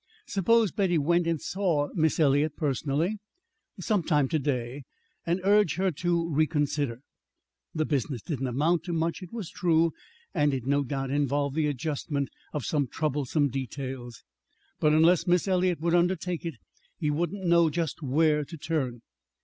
Suppose Betty went and saw Miss Eliot personally, sometime today, and urged her to reconsider. The business didn't amount to much, it was true, and it no doubt involved the adjustment of some troublesome details. But unless Miss Eliot would undertake it, he wouldn't know just where to turn.